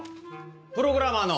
プログラマーの！